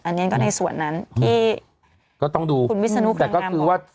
อันนี้ก็ในส่วนนั้นที่คุณวิศนุบอก